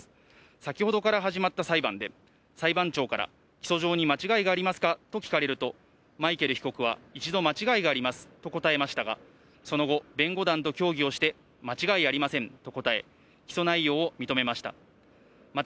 先ほどから始まった裁判で、裁判長から、起訴状に間違いがありますかと聞かれると、マイケル被告は、一度、間違いがありますと答えましたが、その後、弁護団と協議をして、間違いありませんと答え、起訴内容を認めました。